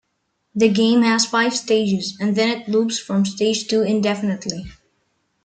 The game has five stages and then it loops from stage two indefinitely.